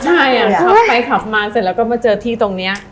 ใช่ขับไปขับมาเสร็จแล้วก็มาเจอที่ตรงนี้